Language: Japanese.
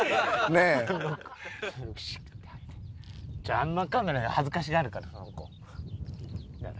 あんまカメラ恥ずかしがるからその子。